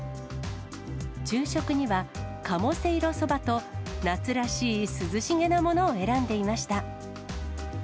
昼食には鴨せいろそばと、夏らしい涼しげなものを選んでいました。